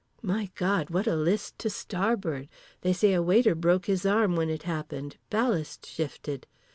My God what a list to starboard. They say a waiter broke his arm when it happened, ballast shifted.